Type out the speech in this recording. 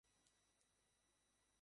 গৌরনদী উপজেলা পরিষদ এ নদীর তীরে অবস্থিত।